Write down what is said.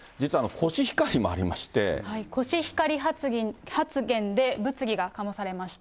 コシヒカリ発言で、物議が醸されました。